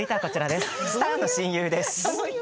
スターの親友です。